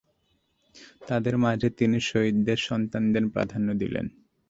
তাঁদের মাঝে তিনি শহীদদের সন্তানদের প্রাধান্য দিলেন।